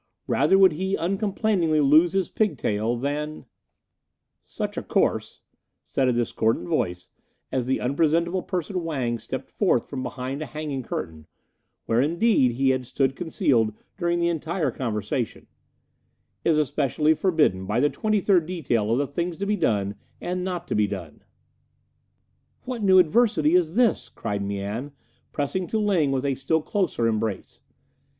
Rather would he uncomplainingly lose his pigtail than " "Such a course," said a discordant voice, as the unpresentable person Wang stepped forth from behind a hanging curtain, where, indeed, he had stood concealed during the entire conversation, "is especially forbidden by the twenty third detail of the things to be done and not to be done." "What new adversity is this?" cried Mian, pressing to Ling with a still closer embrace.